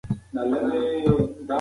د افغانستان نفوذ په ټوله سیمه کې خپور و.